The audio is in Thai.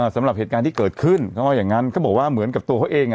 สำหรับเหตุการณ์ที่เกิดขึ้นเขาว่าอย่างงั้นเขาบอกว่าเหมือนกับตัวเขาเองอ่ะ